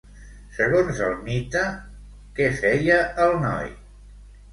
Segons el mite, què feia el noi?